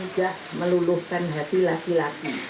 tapi juga meluluhkan hati laki laki